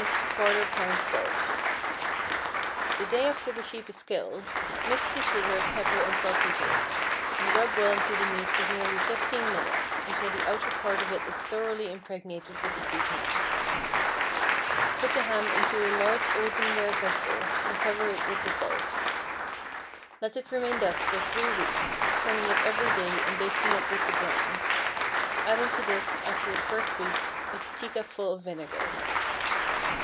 salt. The day after the sheep is killed, mix the sugar, pepper, and saltpetre, and rub well into the meat for nearly fifteen minutes, until the outer part of it is thoroughly impregnated with the seasoning. Put the ham into a large earthenware vessel, and cover it with the salt. Let it remain thus for three weeks, turning it every day and basting it with the brine; adding to this, after the first week, a teacupful of vinegar.